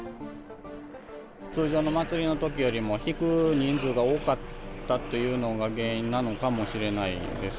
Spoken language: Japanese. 通常の祭りのときよりも、引く人数が多かったというのが原因なのかもしれないです。